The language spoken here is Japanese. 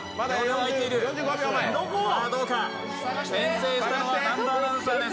先制したのは南波アナウンサーです。